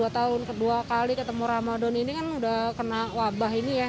dua tahun kedua kali ketemu ramadhan ini kan udah kena wabah ini ya